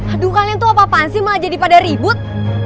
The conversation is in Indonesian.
aduh kalian tuh apa apaan sih mah jadi pada ribut